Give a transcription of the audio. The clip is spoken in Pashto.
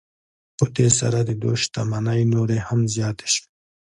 په دې سره د دوی شتمنۍ نورې هم زیاتې شوې